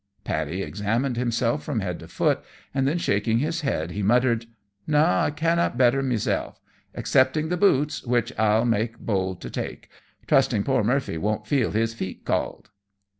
Paddy examined himself from head to foot, and then, shaking his head, he muttered "No, I canna better mesel', 'cepting with the boots, which I'll make bold to take, trusting poor Murphy won't feel his feet cauld."